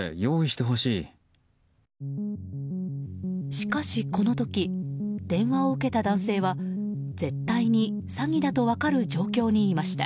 しかし、この時電話を受けた男性は絶対に詐欺だと分かる状況にいました。